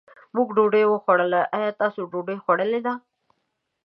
مونږ ډوډۍ وخوړله، ايا تاسو ډوډۍ خوړلې ده؟